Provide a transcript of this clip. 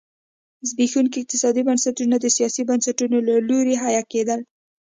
زبېښونکي اقتصادي بنسټونه د سیاسي بنسټونو له لوري حیه کېدل.